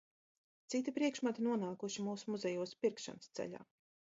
Citi priekšmeti nonākuši mūsu muzejos pirkšanas ceļā.